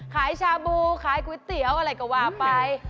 ชาบูขายก๋วยเตี๋ยวอะไรก็ว่าไป